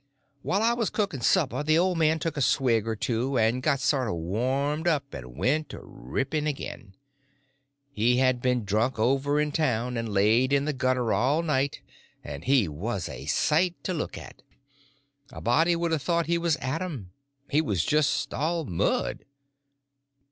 While I was cooking supper the old man took a swig or two and got sort of warmed up, and went to ripping again. He had been drunk over in town, and laid in the gutter all night, and he was a sight to look at. A body would a thought he was Adam—he was just all mud.